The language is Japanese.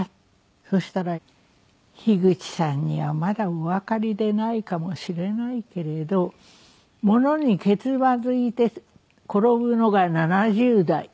そしたら「樋口さんにはまだおわかりでないかもしれないけれど物にけつまずいて転ぶのが７０代」